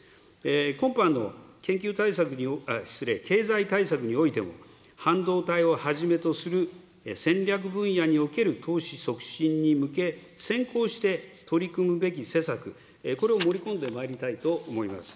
今般の研究対策に、失礼、経済対策においても、半導体をはじめとする戦略分野における投資促進に向け、取り組むべき施策、これを盛り込んでまいりたいと思います。